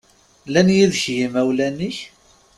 Llan yid-k yimawlan-ik?